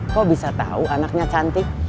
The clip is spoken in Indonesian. kok bisa tahu anaknya cantik